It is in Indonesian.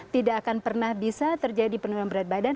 tidak akan pernah bisa terjadi penurunan berat badan